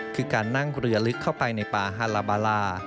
คือการนั่งเรือลึกเข้าไปในป่าฮาลาบาลา